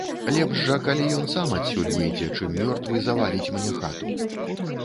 Лепш жа, калі ён сам адсюль выйдзе, чым мёртвы заваліць мне хату.